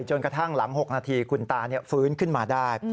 กระทั่งหลัง๖นาทีคุณตาฟื้นขึ้นมาได้